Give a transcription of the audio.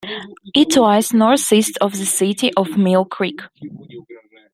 It lies northeast of the city of Mill Creek.